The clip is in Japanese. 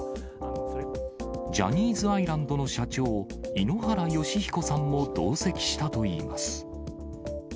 ジャニーズアイランドの社長、井ノ原快彦さんも同席したといいます。